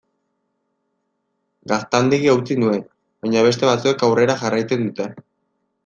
Gaztandegia utzi nuen, baina beste batzuek aurrera jarraitzen dute.